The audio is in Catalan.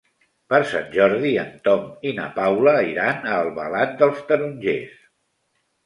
Per Sant Jordi en Tom i na Paula iran a Albalat dels Tarongers.